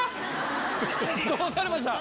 どうされました？